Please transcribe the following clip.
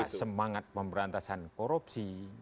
ya semangat pemberantasan korupsi